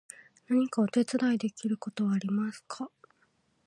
何かお手伝いできることはありますか？